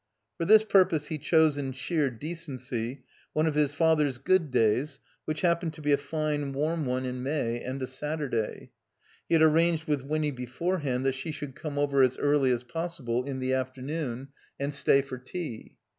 For this purpose he chose, in sheer decency, one of his father's good days which happened to be a fine, warm one in May and a Sattu day. He had arranged with Winny beforehand that she should QQme over a$ early as possible in the afternoon and 312 THE COMBINED MAZE stay for tea.